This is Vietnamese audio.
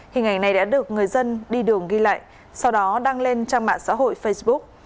hình ảnh này đã được người dân đi đường ghi lại sau đó đăng lên trang mạng xã hội facebook